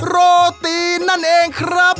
โรตีนั่นเองครับ